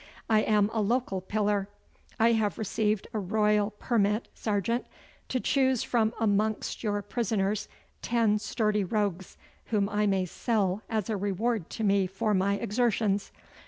I am a local pillar. I have received a Royal permit, sergeant, to choose from amongst your prisoners ten sturdy rogues whom I may sell as a reward to me for my exertions.